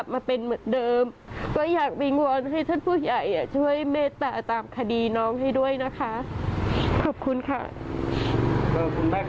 ไม่อยากให้มันเป็นแบบนี้